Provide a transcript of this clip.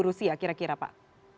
rusia kira kira pak